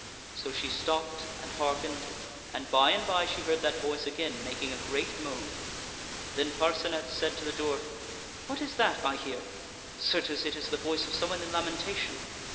So she stopped and harkened, and by and by she heard that voice again making a great moan. Then Par cenet said to the dwarf, "What is that I hear? Certes, it is the voice of someone in lamentation.